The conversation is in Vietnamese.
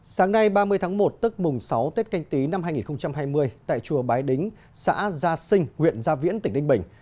sáng nay ba mươi tháng một tức mùng sáu tết canh tí năm hai nghìn hai mươi tại chùa bái đính xã gia sinh huyện gia viễn tỉnh ninh bình